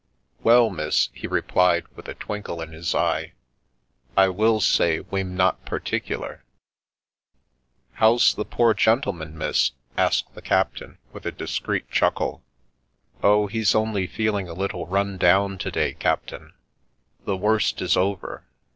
Well, miss," he replied, with a twinkle in his eye, I will say we'm not particular !"" How's the poor gentleman, miss ?" asked the cap tain, with a discreet chuckle. " Oh ! he's only feeling a little run down to day, cap tain. The worst is over.